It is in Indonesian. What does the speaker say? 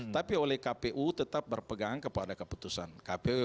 tapi oleh kpu tetap berpegang kepada keputusan kpu